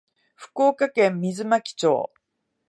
福岡県水巻町